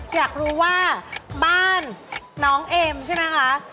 อยากรู้ว่าบ้านน้องเอ็มใช่ไหมคะ